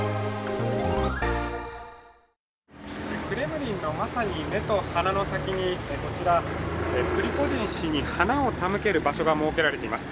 クレムリンのまさに目と鼻の先に、こちら、プリゴジン氏に花を手向ける場所が設けられています。